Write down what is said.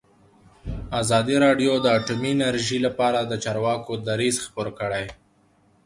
ازادي راډیو د اټومي انرژي لپاره د چارواکو دریځ خپور کړی.